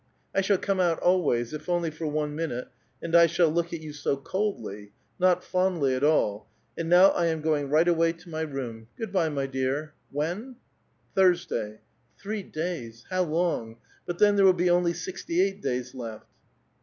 I shall come out always, if only for one "^J'lvite ; and I shall look at you so coldly ; not fondly at f^ ' And now I am going right away to my room. Good "^y* my dear.* When?" *■ Thursda3'." .*■ Three days ; how long ! But then there will be only »^ty.eight days left."